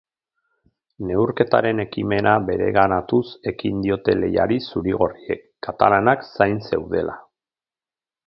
Neurketaren ekimena bereganatuz ekin diote lehiari zuri-gorriek, katalanak zain zeudela.